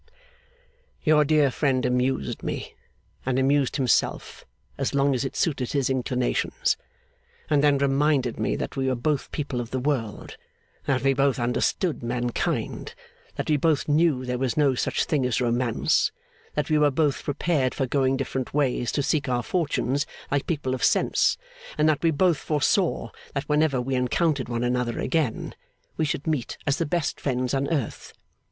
Your dear friend amused me and amused himself as long as it suited his inclinations; and then reminded me that we were both people of the world, that we both understood mankind, that we both knew there was no such thing as romance, that we were both prepared for going different ways to seek our fortunes like people of sense, and that we both foresaw that whenever we encountered one another again we should meet as the best friends on earth.